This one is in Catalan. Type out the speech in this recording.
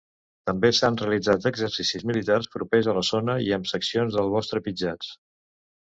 També s'han realitzat exercicis militars propers a la zona i amb seccions del bosc trepitjats.